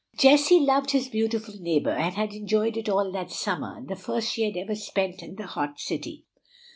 Jessie loved this beautiful neighbor, and had enjoyed it all that summer, the first she ever spent in the hot city.